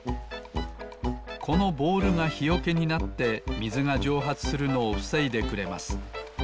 このボールがひよけになってみずがじょうはつするのをふせいでくれます。